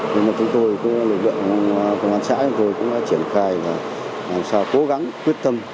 vì vậy chúng tôi cũng lựa chọn công an xã chúng tôi cũng đã triển khai làm sao cố gắng quyết tâm